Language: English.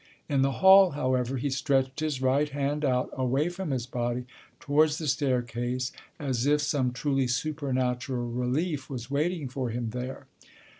In the hall, however, he stretched his right hand out away from his body towards the staircase, as if some truly supernatural relief was waiting for him there.